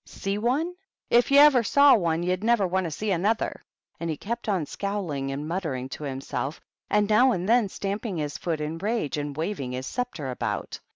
" See one ? If you ever saw one, you'd never want to see another !" And he kept on scowling and muttering to himself, and now and then stamp ing his foot in rage, and waving his sceptre about.